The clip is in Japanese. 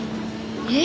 えっ？